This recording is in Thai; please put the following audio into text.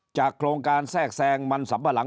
โครงการแทรกแซงมันสัมปะหลัง